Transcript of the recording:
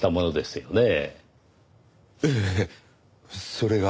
それが？